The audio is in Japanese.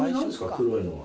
黒いのは。